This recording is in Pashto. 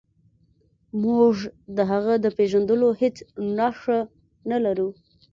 موږ د هغه د پیژندلو هیڅ نښه نلرو.